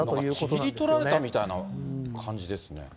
ちぎりとられたみたいな感じですね。